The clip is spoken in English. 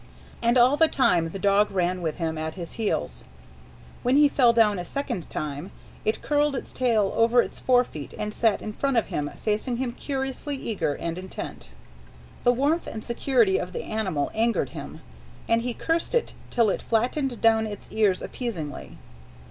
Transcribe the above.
And all the time the dog ran with him, at his heels. When he fell down a second time, it curled its tail over its forefeet and sat in front of him facing him curiously eager and intent. The warmth and security of the animal angered him, and he cursed it till it flattened down its ears appeasingly.